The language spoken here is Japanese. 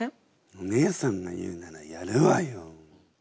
お姉さんが言うならやるわよ。